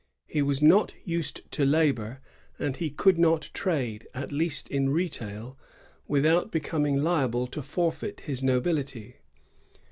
He was not used to labor; and he could not trade, at least in retail, without becoming liable to forfeit his nobility.